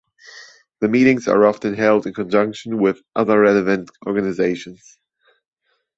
The meetings often are held in conjunction with other relevant organizations.